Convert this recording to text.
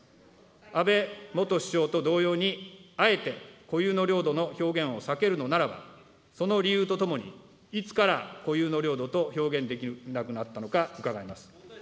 安倍元首相と同様に、あえて固有の領土の表現を避けるのならば、その理由とともに、いつから固有の領土と表現できなくなったのか伺います。